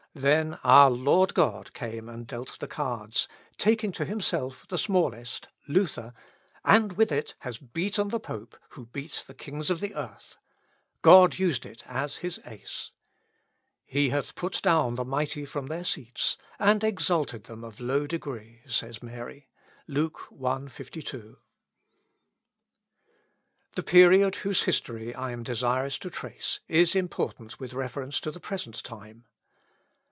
Then our Lord God came and dealt the cards, taking to himself the smallest, [Luther,] and with it has beaten the pope, who beat the kings of the earth.... God used it as his ace. 'He hath put down the mighty from their seats, and exalted them of low degree,' says Mary." (Luke, i, 52.) The period whose history I am desirous to trace, is important with reference to the present time.